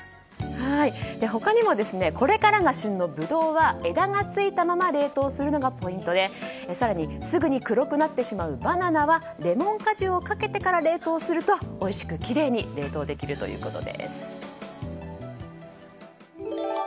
他にも、これからが旬のブドウは枝がついたまま冷凍するのがポイントで更にすぐに黒くなってしまうバナナはレモン果汁をかけてから冷凍するとおいしくきれいに冷凍できるということです。